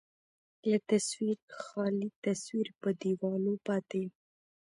لکه تصوير، خالي تصوير په دېواله پاتې يم